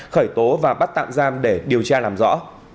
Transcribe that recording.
khởi tố và bắt tạm giam để điều tra làm rõ